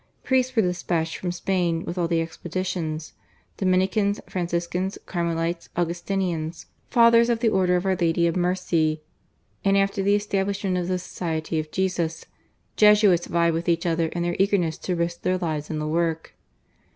Priests were despatched from Spain with all the expeditions. Dominicans, Franciscans, Carmelites, Augustinians, Fathers of the Order of Our Lady of Mercy, and after the establishment of the Society of Jesus, Jesuits vied with each other in their eagerness to risk their lives in the work.